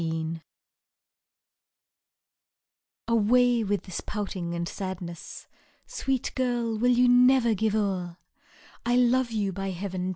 SONG. Away with this poutJAg and sadness ! Sweet girl ! will you never give o'er ? I love 7oU| by Heaven